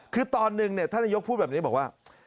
คือตอนหนึ่งท่านนายกพูดแบบนี้บอกว่า